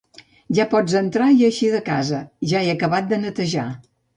Ja pots entrar i eixir de casa, ja he acabat de netejar.